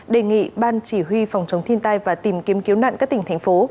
đề nghị ban chỉ huy phòng chống thiên tai và tìm kiếm cứu nạn các tỉnh thành phố